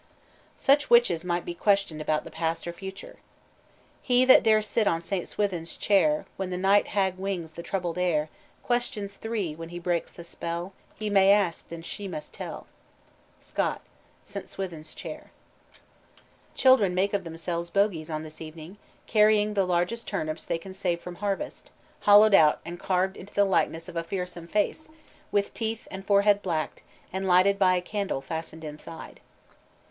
Such witches might be questioned about the past or future. "He that dare sit on St. Swithin's Chair, When the Night Hag wings the troubled air, Questions three, when he speaks the spell, He may ask, and she must tell." SCOTT: St. Swithin's Chair. Children make of themselves bogies on this evening, carrying the largest turnips they can save from harvest, hollowed out and carved into the likeness of a fearsome face, with teeth and forehead blacked, and lighted by a candle fastened inside.